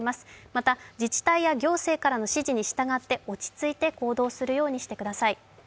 また自治体や行政からの指示に従って落ち着いて行動するようにしてください。